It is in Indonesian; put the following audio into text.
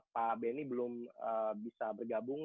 pak benny belum bisa bergabung